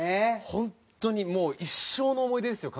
本当にもう一生の思い出ですよ